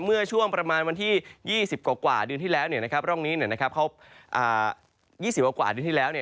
เมื่อช่วงประมาณวันที่๒๐กว่าเดือนที่แล้วเนี่ยนะครับร่องนี้เนี่ยนะครับเขา